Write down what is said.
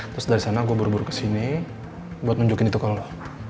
terus dari sana gue buru buru ke sini buat nunjukin itu ke lo